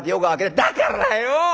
「だからよう！